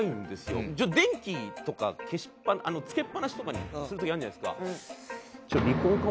電気とかつけっ放しとかにする時あるじゃないですか。